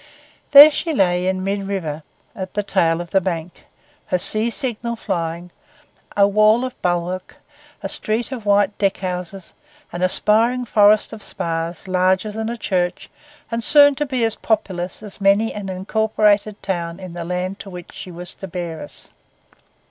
There she lay in mid river, at the Tail of the Bank, her sea signal flying: a wall of bulwark, a street of white deck houses, an aspiring forest of spars, larger than a church, and soon to be as populous as many an incorporated town in the land to which she was to bear us.